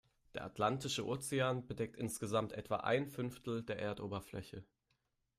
Der Atlantische Ozean bedeckt insgesamt etwa ein Fünftel der Erdoberfläche.